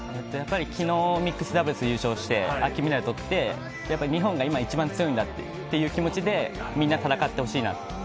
昨日、ミックスダブルスを優勝して、金メダルを取って日本が今、一番強いんだっていう気持ちでみんな戦ってほしいです。